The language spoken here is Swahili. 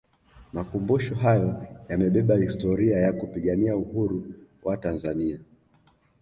makumbusho hayo yamebeba historia ya kupigania Uhuru wa tanzania